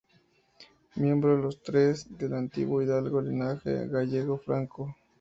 Miembros los tres del antiguo hidalgo linaje gallego Franco.